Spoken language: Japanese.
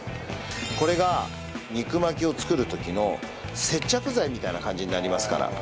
これが肉巻きを作る時の接着剤みたいな感じになりますから。